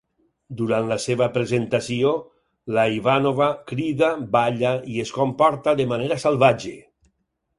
Durant la seva "presentació", la Ivanova crida, balla i es comporta de manera salvatge.